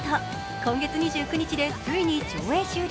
今月２９日でついに上映終了。